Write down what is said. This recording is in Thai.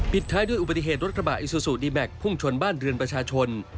ผิดท้ายด้วยอุปกริเทศรถขบาออิสุสุดีแบ็คภุ่งชนบ้านเรือนประชาชน